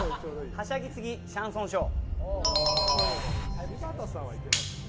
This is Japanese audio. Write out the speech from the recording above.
はしゃぎすぎシャンソンショー。